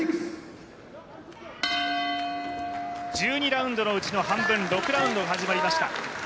１２ラウンドのうちの半分６ラウンドが始まりました。